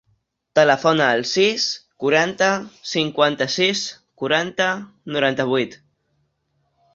Telefona al sis, quaranta, cinquanta-sis, quaranta, noranta-vuit.